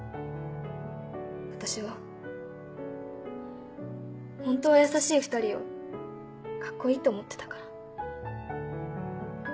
私はホントは優しい２人をカッコいいと思ってたから。